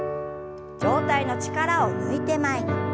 上体の力を抜いて前に。